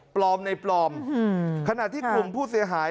ปลอมในปลอมขณะที่กลุ่มผู้เสียหาย